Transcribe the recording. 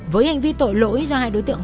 với hành vi tội lỗi do hai đối tượng